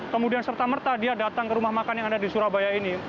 kemudian serta merta dia datang ke rumah makan yang ada di surabaya ini